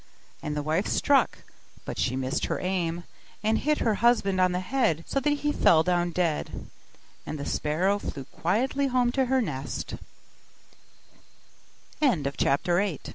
And the wife struck; but she missed her aim, and hit her husband on the head so that he fell down dead, and the sparrow flew quietly home